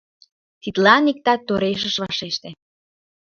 Тидлан иктат тореш ыш вашеште.